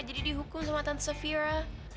jadi dihukum sama tante safira